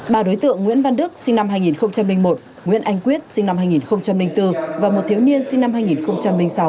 ba đối tượng nguyễn văn đức sinh năm hai nghìn một nguyễn anh quyết sinh năm hai nghìn bốn và một thiếu niên sinh năm hai nghìn sáu